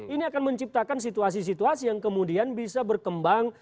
ini akan menciptakan situasi situasi yang kemudian bisa berkembang